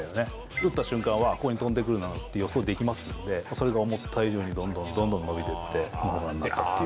打った瞬間は、ここに飛んでくるだろうって予想できますんで、それが思った以上にどんどんどんどん伸びていって、ホームランになったっていう。